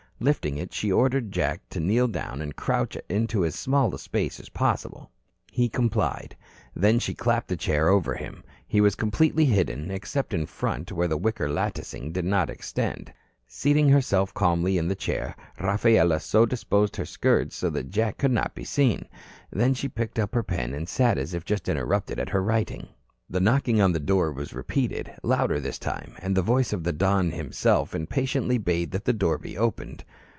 Lifting it, she ordered Jack to kneel down and crouch into as small a space as possible. He complied. Then she clapped the chair over him. He was completely hidden, except in front, where the wicker latticing did not extend. Seating herself calmly in the chair, Rafaela so disposed her skirts that Jack could not be seen. Then she picked up her pen and sat as if just interrupted at her writing. The knocking on the door was repeated, louder this time, and the voice of the Don himself impatiently bade that the door be opened.